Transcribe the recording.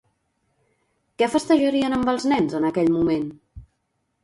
Què festejarien amb els nens en aquell moment?